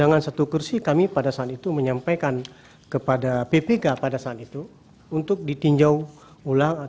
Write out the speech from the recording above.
lima puluh delapan yang ditambah suaranya